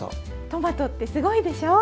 トマトってすごいでしょう？